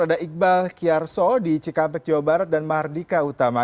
ada iqbal kiarso di cikampek jawa barat dan mardika utama